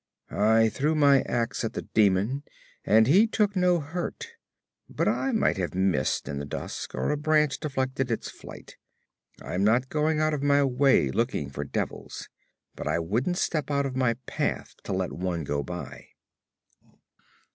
'I threw my ax at the demon, and he took no hurt, but I might have missed, in the dusk, or a branch deflected its flight. I'm not going out of my way looking for devils; but I wouldn't step out of my path to let one go by.'